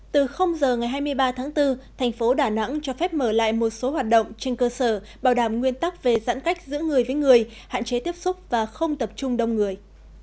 từ giờ ngày hai mươi ba tháng bốn thành phố đà nẵng cho phép mở lại một số hoạt động trên cơ sở bảo đảm nguyên tắc về giãn cách giữa người với người hạn chế tiếp xúc và không tập trung đông người